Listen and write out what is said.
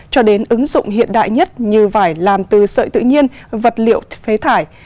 cho đến ứng dụng hiện đại nhất như vải làm từ sợi tự nhiên vật liệu phế thải